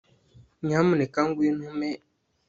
nyamuneka ngwino umpe